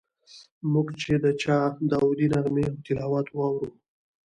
موږ چې د چا داودي نغمې او تلاوت واورو.